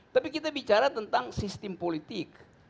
tapi kita bicara tentang sistem politik